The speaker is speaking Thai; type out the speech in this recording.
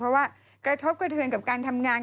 เพราะว่ากระทบกระเทือนกับการทำงาน